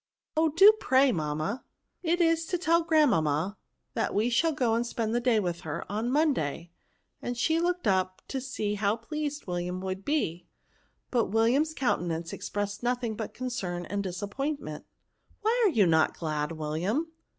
Oh ! do pray, mamma.*' *^ It is to tell grandmamma, that we shall go and spend the day with her, on Monday," and she looked up to see how pleased William wouldbe ; but William's countenance expressed nothing but concern and disappointment. " Why are you not glad, William?"